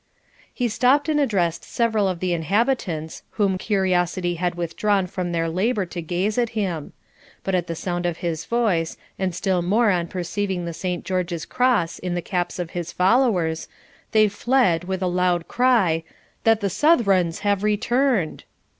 He stopped and addressed several of the inhabitants whom curiosity had withdrawn from their labour to gaze at him; but at the sound of his voice, and still more on perceiving the St. George's Cross in the caps of his followers, they fled, with a loud cry, 'that the Southrons were returned.'